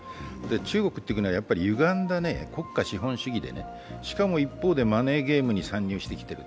中国という国はやはりゆがんだ国家資本主義でしかも一方でマネーゲームに参入してきている